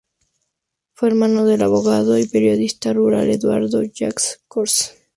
Fue hermano del abogado y periodista rural Eduardo J. Corso.